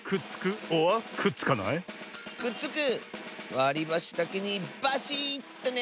わりばしだけにばしっとね！